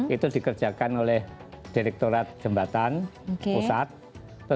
itu dikerjakan oleh direkturat jembatan pusat